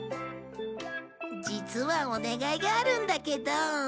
実はお願いがあるんだけど。